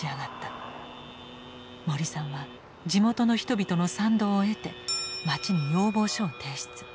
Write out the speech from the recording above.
森さんは地元の人々の賛同を得て町に要望書を提出。